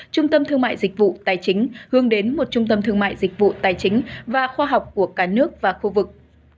trung tâm thương mại dịch vụ tài chính hướng đến một trung tâm thương mại dịch vụ tài chính và khoa học của cả nước và khu vực